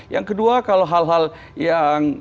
yang kedua kalau hal hal yang